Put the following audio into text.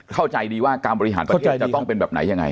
เข้าใจดีว่าการบริหารประเทศจะต้องเป็นแบบไหนยังไง